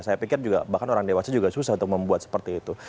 saya pikir juga bahkan orang dewasa juga susah untuk membuat seperti itu